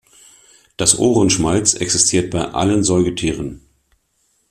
Das Ohrenschmalz existiert bei allen Säugetieren.